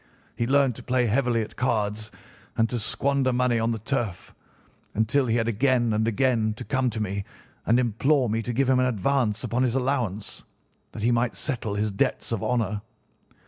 He learned to play heavily at cards and to squander money on the turf, until he had again and again to come to me and implore me to give him an advance upon his allowance, that he might settle his debts of honour.